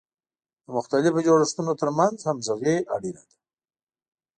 د مختلفو جوړښتونو ترمنځ همغږي اړینه ده.